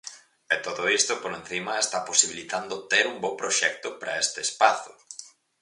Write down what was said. E todo isto, por encima, está posibilitando ter un bo proxecto para este espazo.